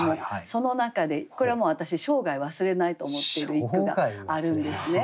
その中でこれはもう私生涯忘れないと思っている一句があるんですね。